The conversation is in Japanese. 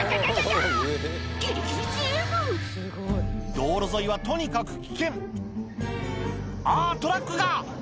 道路沿いはとにかく危険あぁトラックが！